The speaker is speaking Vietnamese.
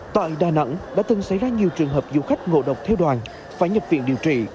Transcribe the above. tại đà nẵng đã từng xảy ra nhiều trường hợp du khách ngộ độc theo đoàn phải nhập viện điều trị